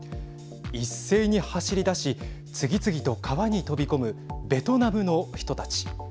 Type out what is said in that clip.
一斉に走りだし次々と川に飛び込むベトナムの人たち。